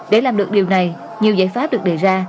để làm được điều này nhiều giải pháp được đề ra